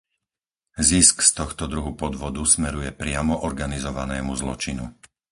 Zisk z tohto druhu podvodu smeruje priamo organizovanému zločinu.